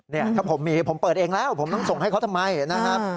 เนี่ยถ้าผมมีผมเปิดเองแล้วผมต้องส่งให้เขาทำไมนะครับ